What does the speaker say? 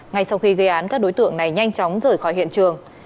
ngay sau khi gây án các đối tượng này nhanh chóng rời khỏi hiện trường